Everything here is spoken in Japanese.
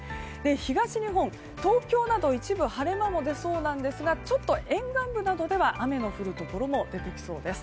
東日本、東京などは一部、晴れ間も出そうなんですがちょっと沿岸部などでは雨の降るところも出てきそうです。